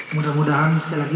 mudah mudahan sekali lagi